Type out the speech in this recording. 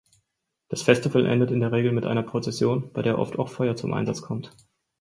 Das Festival endet in der Regel mit einer Prozession, bei der oft auch Feuer zum Einsatz kommt.